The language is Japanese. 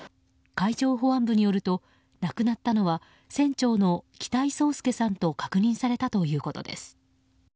海上保安部によると亡くなったのは船長の北井宗祐さんと確認されたということです。